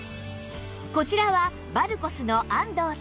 こちらはバルコスの安藤さん